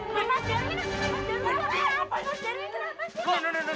sekarang itu darwin